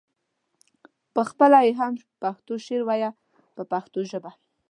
پخپله یې هم پښتو شعر وایه په پښتو ژبه.